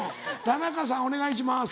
田中さんお願いします。